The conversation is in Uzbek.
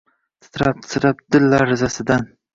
Titrab-titrab dil larzasidan